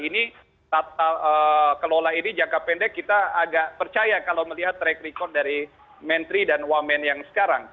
ini tata kelola ini jangka pendek kita agak percaya kalau melihat track record dari menteri dan wamen yang sekarang